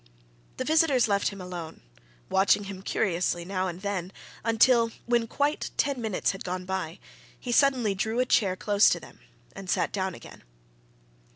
The visitors left him alone, watching him curiously now and then until, when quite ten minutes had gone by, he suddenly drew a chair close to them and sat down again.